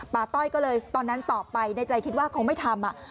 ต้อยก็เลยตอนนั้นตอบไปในใจคิดว่าคงไม่ทำ